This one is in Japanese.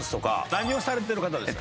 何をされてる方ですか？